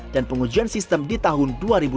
dan pengujian sistem di tahun dua ribu dua puluh enam